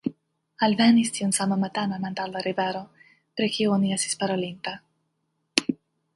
Alvenis tiun saman matenon antaŭ la rivero, pri kiu oni estis parolinta.